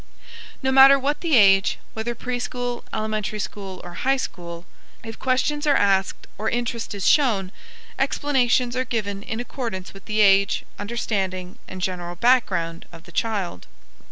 No matter what the age, whether pre school, elementary school, or high school, if questions are asked or interest is shown, explanations are given in accordance with the age, understanding, and general background of the child.